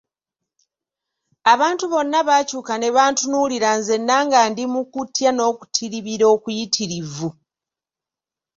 Abantu bonna baakyuka ne bantunuulira nzenna nga ndi mu kutya n'okutiribira okuyitirivu.